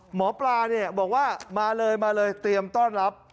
หมอปลาบอกว่ามาเลยเตรียมต้อนรับ